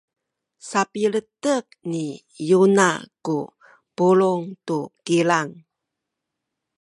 sapiletek ni Yona ku pulung tu kilang.